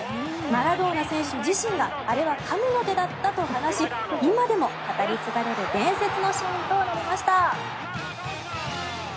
マラドーナ自身があれは神の手だったと話し今でも語り継がれる伝説のシーンとなりました。